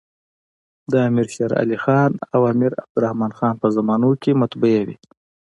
د امیر شېرعلي خان او امیر عبدالر حمن په زمانو کي مطبعې وې.